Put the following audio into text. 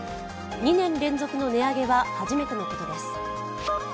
２年連続の値上げは初めてのことです。